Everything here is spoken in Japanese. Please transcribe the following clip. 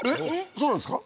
そうなんですか？